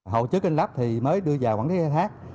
hồ chứa kênh lấp thì mới đưa vào quản lý giai thác